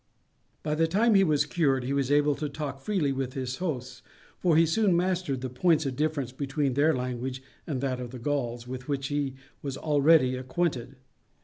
By the time he was cured he was able to talk freely with his hosts, for he soon mastered the points of difference between their language and that of the Gauls, with which he was already acquainted.